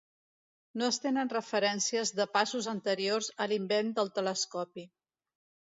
No es tenen referències de passos anteriors a l'invent del telescopi.